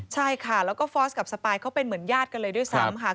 ใช่ค่ะแล้วก็ฟอร์สกับสปายเขาเป็นเหมือนญาติกันเลยด้วยซ้ำค่ะ